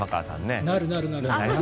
なる、なる、なる。